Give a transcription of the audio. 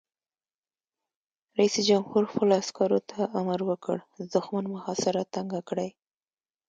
رئیس جمهور خپلو عسکرو ته امر وکړ؛ د دښمن محاصره تنګه کړئ!